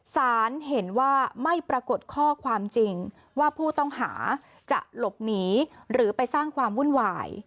สารเห็นว่าไม่ปรากฏข้อความจริงว่าผู้ต้องหาจะหลบหนีหรือไปสร้างความวุ่นวาย